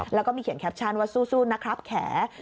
แล้วก็มีเขียนแคปชั่นว่าสู้นะครับแข